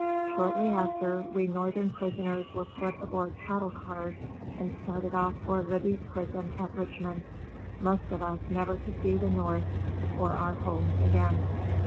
Shortly after, we Northern prisoners were put aboard cattle cars and started off for Libby Prison at Richmond, most of us never to see the North or our homes again.